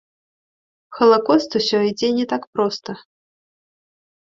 Халакост усё ідзе не так проста.